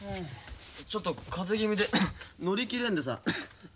ちょっと風邪気味で乗り切れんでさ。